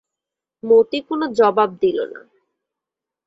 মতি কোনো জবাব দিল না।